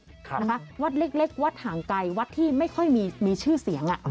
นะคะวัดเล็กวัดห่างไกลวัดที่ไม่ค่อยมีชื่อเสียง